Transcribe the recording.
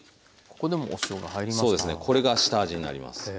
これが下味になります。